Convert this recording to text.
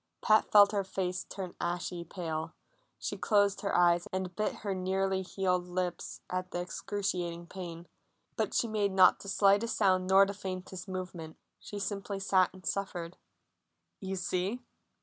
Pat felt her face turn ashy pale; she closed her eyes and bit her nearly healed lips at the excruciating pain, but she made not the slightest sound nor the faintest movement. She simply sat and suffered. "You see!"